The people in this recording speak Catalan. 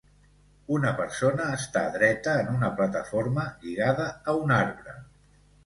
Una persona està dreta en una plataforma lligada a un arbre.